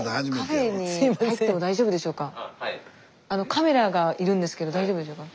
カメラがいるんですけど大丈夫でしょうか？